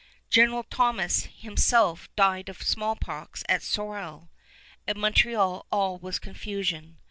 General Thomas himself died of smallpox at Sorel. At Montreal all was confusion.